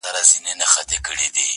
مسؤلیت به یې د چا په غاړه وي